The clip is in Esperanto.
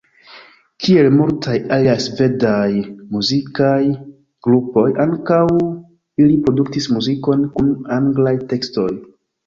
Kiel multaj aliaj svedaj muzikaj grupoj, ankaŭ ili produktis muzikon kun anglaj tekstoj.